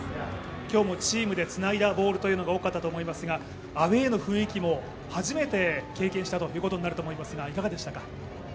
今日もチームでつないだボールというのが多かったと思いますが、アウェーの雰囲気も初めて経験したことになると思いますが、いかがですか。